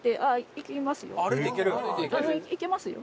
行けますよ